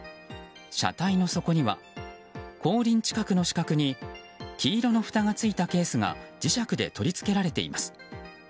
車体の底には後輪近くの死角に黄色のふたがついたケースが磁石で取り付けられています。